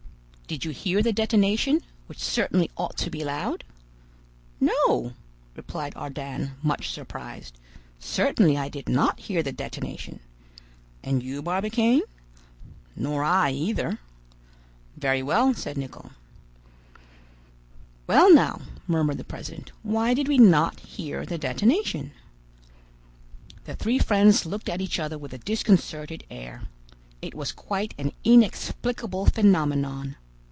"Did you hear the detonation, which certainly ought to be loud?" "No," replied Ardan, much surprised; "certainly I did not hear the detonation." "And you, Barbicane?" "Nor I, either." "Very well," said Nicholl. "Well now," murmured the president "why did we not hear the detonation?" The three friends looked at each other with a disconcerted air. It was quite an inexplicable phenomenon.